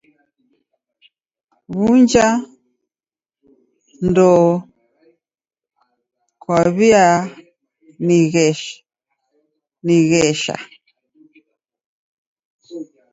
W'uja ndokwaw'ianighesha?